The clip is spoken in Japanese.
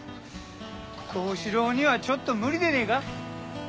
トウシロウにはちょっと無理でねえか？